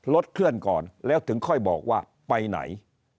เคลื่อนก่อนแล้วถึงค่อยบอกว่าไปไหน